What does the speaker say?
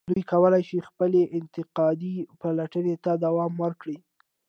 دوی کولای شي خپلې انتقادي پلټنې ته دوام ورکړي.